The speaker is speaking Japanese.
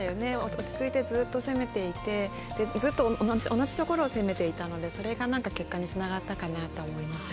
落ち着いてずっと同じところを攻めていたのでそれが結果につながったかなと思います。